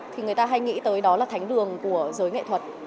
thì người ta hay nghĩ tới đó là thánh đường của giới nghệ thuật